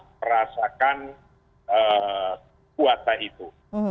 merasakan puasa itu